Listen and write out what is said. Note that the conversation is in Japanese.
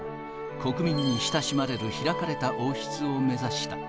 国民に親しまれる開かれた王室を目指した。